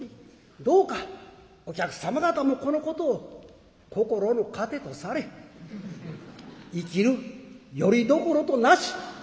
どうかお客様方もこのことを心の糧とされ生きるよりどころとなし